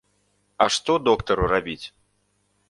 А што доктару рабіць?